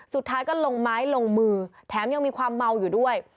สุดท้ายก็ลงไม้ลงมือแถมยังมีความเมาอยู่ด้วย